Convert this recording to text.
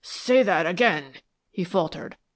"Say that again," he faltered.